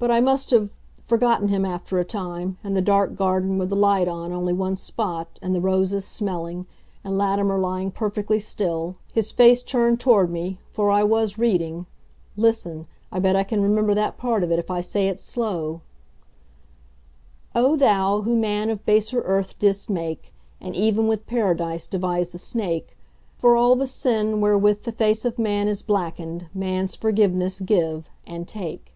But I must have forgotten him after a time, and the dark garden with the light on only one spot, and the roses smelling, and Latimer lying perfectly still, his face turned toward me, for I was reading listen, I bet I can remember that part of it if I say it slow Oh, Thou, who Man of baser Earth didst make, And ev'n with Paradise devise the Snake: For all the sin wherewith the Face of Man Is blacken'd Man's forgiveness give and take!